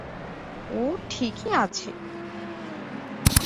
ও ঠিকই আছে।